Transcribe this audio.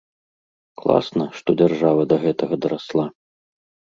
Класна, што дзяржава да гэтага дарасла.